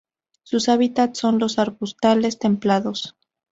Sus hábitats son los arbustales templados.